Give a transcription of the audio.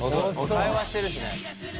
会話してるしね。